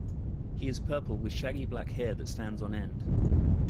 He is purple with shaggy black hair that stands on end.